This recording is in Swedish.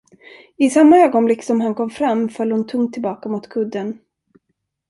I samma ögonblick, som han kom fram, föll hon tungt tillbaka mot kudden.